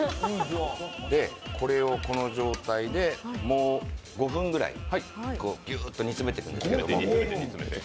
これをこの状態で、もう５点ぐらい、ギューと煮詰めていくんです。